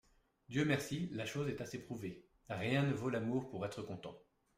Dieu merci, la chose est assez prouvée : Rien ne vaut l'amour pour être content.